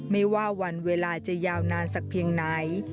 ไม่ว่าวันเวลาจะยาวนานสักเพียงไหน